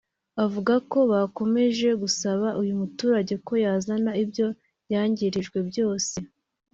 Avuga ko bakomeje gusaba uyu muturage ko yazana ibyo yangirijwe byose